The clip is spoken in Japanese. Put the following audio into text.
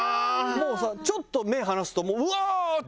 もうさちょっと目離すともうワーッと。